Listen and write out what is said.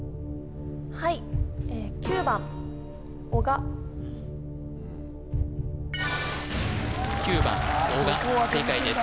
はい９番おが正解です